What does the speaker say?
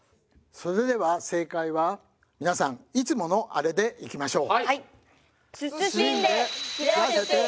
それでは正解は皆さんいつものアレでいきましょう。